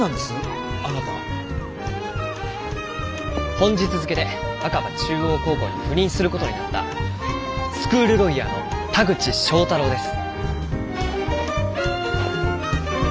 本日付けで若葉中央高校に赴任する事になったスクールロイヤーの田口章太郎です。